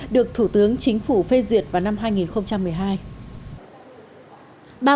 được thủ tướng chính phủ phê duyệt vào năm hai nghìn một mươi hai